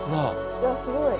いやすごい。